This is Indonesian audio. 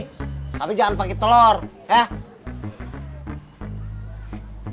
tapi jangan pakai telur ya